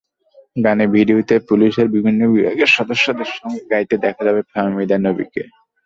গানের ভিডিওতে পুলিশের বিভিন্ন বিভাগের সদস্যদের সঙ্গে গাইতে দেখা যাবে ফাহমিদা নবীকে।